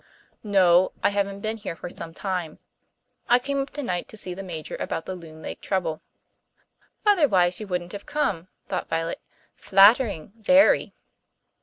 "No. I haven't been here for some time. I came up tonight to see the Major about the Loon Lake trouble." "Otherwise you wouldn't have come," thought Violet. "Flattering very!"